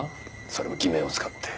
それも偽名を使って。